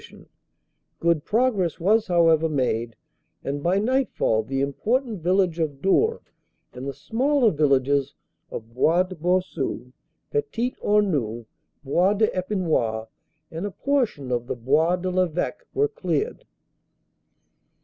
CAPTURE OF MONS 385 Good progress was, however, made, and by nightfall the im portant village of Dour and the smaller villages of Bois de Boussu, Petit Hornu, Bois de Epinois, and a portion of the Bois de 1 Eveque were cleared.